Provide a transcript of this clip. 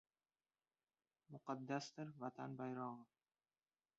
Muqaddasdir, Vatan bayrog‘i